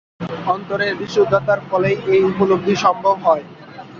অন্তরের বিশুদ্ধতার ফলেই এ-উপলব্ধি সম্ভব হয়।